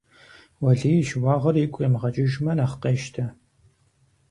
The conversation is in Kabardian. Уэлий и щыуагъэр игу къимыгъэкӀыжмэ нэхъ къещтэ.